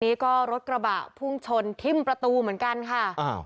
นี้ก็รถกระบะพุ่งชนทิ้มประตูเหมือนกันค่ะอ้าว